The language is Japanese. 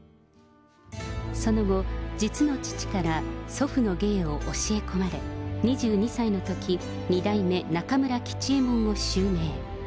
その後、実の父から祖父の芸を教え込まれ、２２歳のとき、二代目中村吉右衛門を襲名。